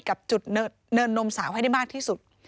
กับจุดเนินนมสาวให้ได้มากที่สุด